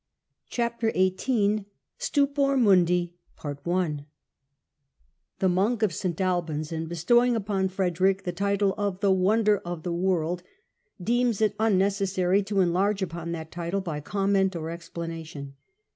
Chapter XVIII STUPOR MUNDI f "^HE monk of St. Albans, in bestowing upon Frederick the title of " the wonder of the M world," deems it unnecessary to enlarge upon that title by comment and explanation.